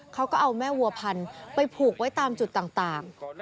เขาก็เอาแม่วัวพันธุ์ไปผูกไว้ตามจุดต่าง